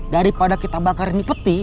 daripada kita bakarin di peti